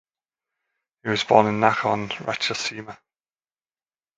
He was born in Nakhon Ratchasima.